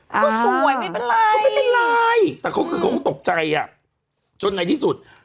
ก็สวยไม่เป็นไรแต่เขาก็ตกใจอะจนไหนที่สุด